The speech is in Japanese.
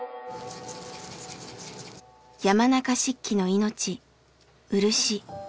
山中漆器の命「漆」。